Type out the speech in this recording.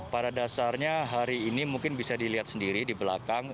pada dasarnya hari ini mungkin bisa dilihat sendiri di belakang